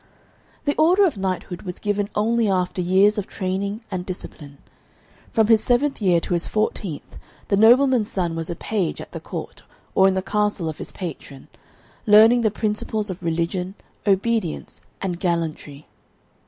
The order of knighthood was given only after years of training and discipline. From his seventh year to his fourteenth the nobleman's son was a page at the court or in the castle of his patron, learning the principles of religion, obedience, and gallantry.